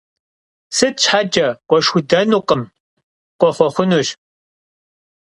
Сыт щхьэкӀэ? Къошхыдэнукъым, къохъуэхъунущ.